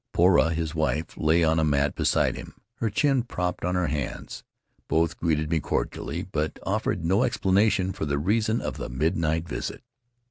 Poura, his wife, lay on a mat beside him, her chin propped on her hands. Both greeted me cordially, but offered no explanation for the reason of the midnight visit.